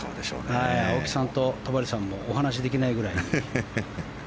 青木さんと戸張さんもお話しできないぐらい。